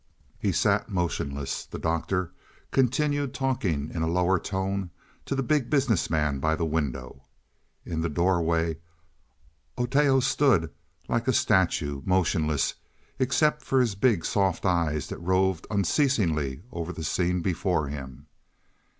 He sat motionless. The Doctor continued talking in a lower tone to the Big Business Man by the window. In the doorway Oteo stood like a statue, motionless, except for his big, soft eyes that roved unceasingly over the scene before him.